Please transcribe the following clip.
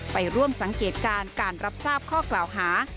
ไปร่วมสังเกตการณ์การรับทราบข้อกล่าวหา